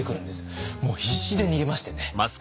もう必死で逃げましてね。